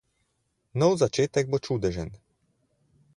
Nov začetek bo čudežen.